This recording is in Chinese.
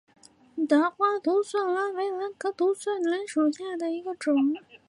大花独蒜兰为兰科独蒜兰属下的一个种。